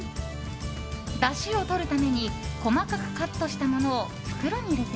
だしをとるために細かくカットしたものを袋に入れて。